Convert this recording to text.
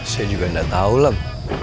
saya juga gak tau lem